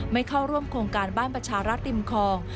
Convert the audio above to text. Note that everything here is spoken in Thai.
ไม่เข้าร่วมโครงการบ้านประชารัฐริมคลอง